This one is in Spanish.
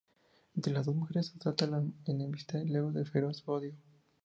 Entre las dos mujeres salta la enemistad y luego un feroz odio.